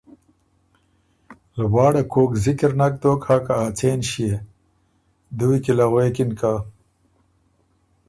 لواړه کوک ذکِر نک دوک هۀ که ا څېن ݭيې؟ دُوی کی له غوېکِن که ”